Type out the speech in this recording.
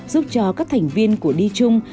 giúp cho các thành viên của đi chung